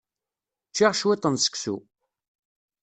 Ččiɣ cwiṭ n seksu.